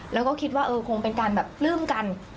แล้วก็คิดว่าเออคงเป็นการแบบปลื้มกัน